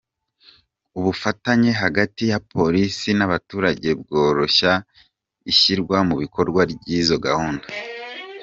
Ubufatanye hagati ya Polisi n’abaturage bworoshya ishyirwa mu bikorwa ry’izo gahunda.